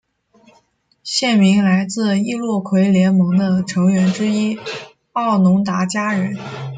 县名来自易洛魁联盟的成员之一奥农达加人。